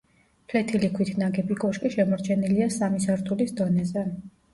ფლეთილი ქვით ნაგები კოშკი შემორჩენილია სამი სართულის დონეზე.